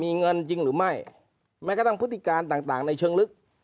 มีเงินจริงหรือไม่แม้กระทั่งพฤติการต่างต่างในเชิงลึก